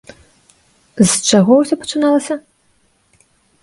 З чаго ўсё пачыналася?